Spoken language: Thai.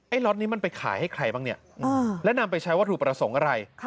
ล็อตนี้มันไปขายให้ใครบ้างเนี่ยและนำไปใช้วัตถุประสงค์อะไร